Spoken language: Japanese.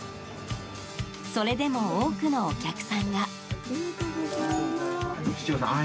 それでも多くのお客さんが。